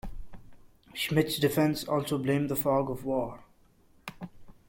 Schmidt's defense also blamed the fog of war.